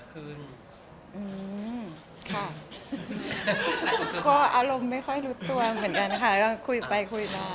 อจู๊มิเอออารมณ์ไม่ค่อยหลุดตัวเหมือนกันค่ะคุยไปคุยมา